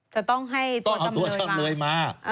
จะต้องให้ตัวจำเลยมา